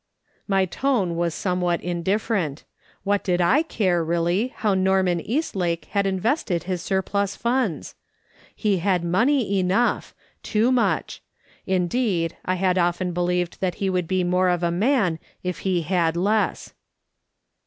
My tone was somewliat indifferent. What did I 450 MRS. SOLOMON SMITH LOOKING ON. care, really, how Norman Eastlake had invested hia surplus funds ? He had money enough, too much ; indeed, I had often believed that he would be more of a man if he had less.